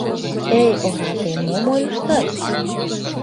«Эй, ораде, мом ойлыштат?